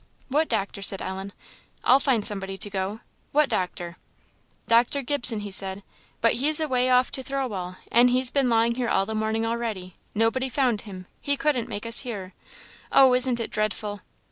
"What doctor?" said Ellen "I'll find somebody to go what doctor?" "Dr. Gibson, he said; but he's away off to Thirlwall; and he's been lying here all the morning a'ready! nobody found him he couldn't make us hear. Oh, isn't it dreadful!"